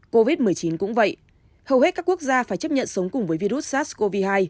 covid một mươi chín cũng vậy hầu hết các quốc gia phải chấp nhận sống cùng với virus sars cov hai